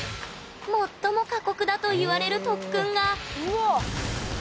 最も過酷だといわれる特訓がうわあ！